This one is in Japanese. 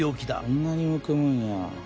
こんなにむくむんや。